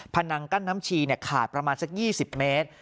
นังกั้นน้ำชีขาดประมาณสัก๒๐เมตร